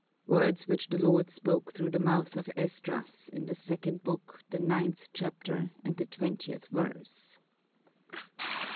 Words which the Lord spoke through the mouth of Esdras, in the second book, the ninth chapter, and the twentieth verse."